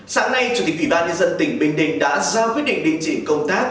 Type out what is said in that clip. sáng nay chủ tịch ủy ban nhân dân tỉnh bình đình đã ra quyết định định chỉ công tác